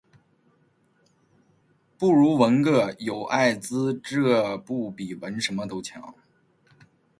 不如纹个“有艾滋”这不比纹什么都强